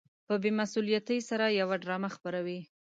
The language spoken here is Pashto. په بې مسؤليتۍ سره يوه ډرامه خپروي.